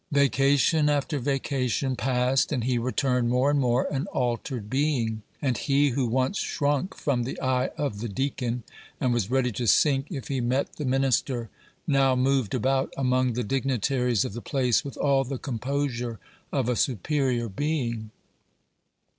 Vacation after vacation passed, and he returned more and more an altered being; and he who once shrunk from the eye of the deacon, and was ready to sink if he met the minister, now moved about among the dignitaries of the place with all the composure of a superior being.